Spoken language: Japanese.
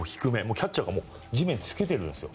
キャッチャーが地面につけているんですよ。